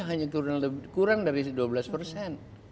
hanya kurang dari dua belas persen